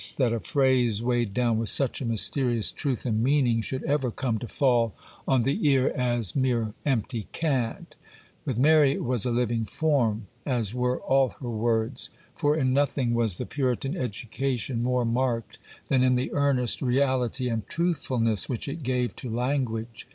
that a phrase weighed down with such a mysterious truth and meaning should ever come to fall on the ear as mere empty cant: with Mary it was a living form, as were all her words, for in nothing was the Puritan education more marked than in the earnest reality and truthfulness which it gave to language.